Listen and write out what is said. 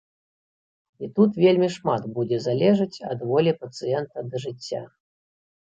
І тут вельмі шмат будзе залежаць ад волі пацыента да жыцця.